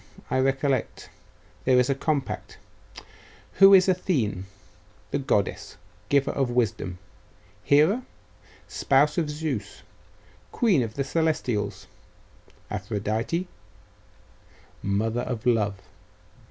I recollect. There is a compact.... Who is Athene? The goddess, giver of wisdom. Hera, spouse of Zeus, queen of the Celestials. Aphrodite, mother of love....